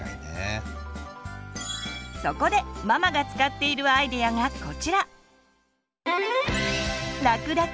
そこでママが使っているアイデアがこちら！